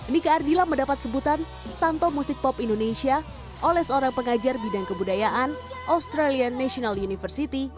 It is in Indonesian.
nika ardila mendapat sebutan santo musik pop indonesia oleh seorang pengajar bidang kebudayaan australian national university